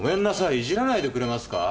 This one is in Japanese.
いじらないでくれますか。